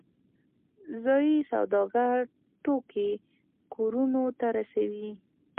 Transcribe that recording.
ځایی سوداګر توکي کورونو ته رسوي